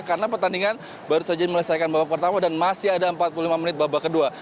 karena pertandingan baru saja melesaikan babak pertama dan masih ada empat puluh lima menit babak kedua